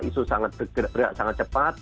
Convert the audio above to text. isu sangat bergerak sangat cepat